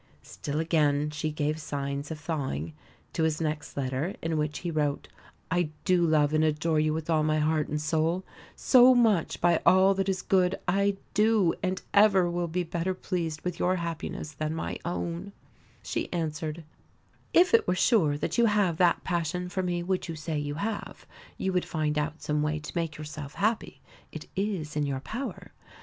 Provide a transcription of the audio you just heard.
Still again she gave signs of thawing. To his next letter, in which he wrote: "I do love and adore you with all my heart and soul, so much that by all that is good, I do and ever will be better pleased with your happiness than my own," she answered: "If it were sure that you have that passion for me which you say you have, you would find out some way to make yourself happy it is in your power.